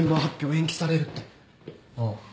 ああ。